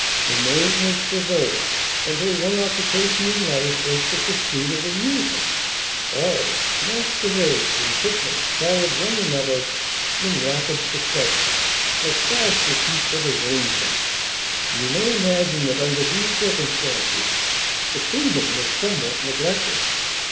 Her name was Frivola, and her one occupation in life was the pursuit of amusement. Balls, masquerades, and picnics followed one another in rapid succession, as fast as she could arrange them, and you may imagine that under these circumstances the kingdom was somewhat neglected.